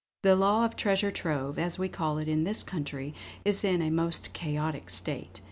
The law of Treasure Trove, as we call it in this country, is in a most chaotic state.